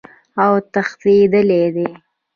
اوتښتیدلی دي